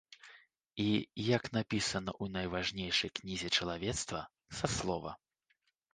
І, як напісана ў найважнейшай кнізе чалавецтва, са слова.